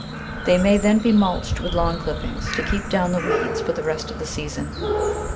They may then be mulched with lawn clip pings to keep down the weeds for the rest of the season.